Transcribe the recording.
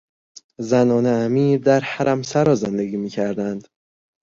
زنان امیر در حرمسرا زندگی میکردند.